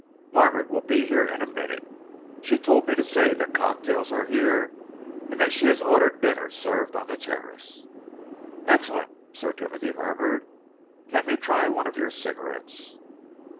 "Margaret will be here in a minute. She told me to say that cocktails are here and that she has ordered dinner served on the terrace." "Excellent!" Sir Timothy murmured. "Let me try one of your cigarettes."